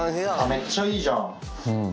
めっちゃいいじゃん。